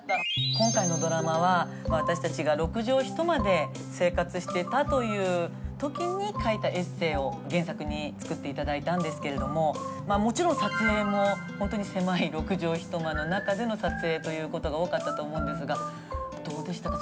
今回のドラマは私たちが６畳一間で生活していたという時に書いたエッセイを原作に作って頂いたんですけれどももちろん撮影も本当に狭い６畳一間の中での撮影ということが多かったと思うんですがどうでしたか？